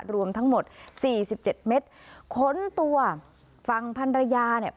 รวมทั้งหมดสี่สิบเมตรคนตัวฟังพันเราย์เนี่ย